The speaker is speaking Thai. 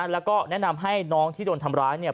แล้วก็แนะนำให้น้องที่โดนทำร้ายเนี่ย